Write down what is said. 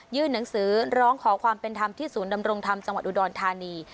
หนังสือร้องขอความเป็นธรรมที่ศูนย์ดำรงธรรมจังหวัดอุดรธานี